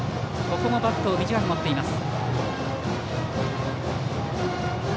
ここもバットを短く持っています。